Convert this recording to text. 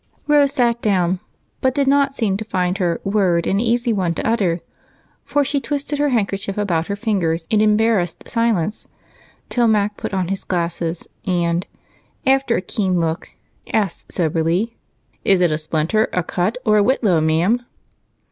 Rose sat down, but did not seem to find her "word" an easy one to utter, for she twisted her handkerchief about her fingers in embarrassed silence till Mac put on his glasses and, after a keen look, asked soberly: "Is it a splinter, a cut, or a whitlow, ma'am?"